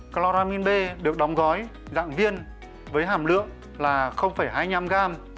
cloramine b được đóng gói dạng viên với hàm lượng là hai mươi năm gam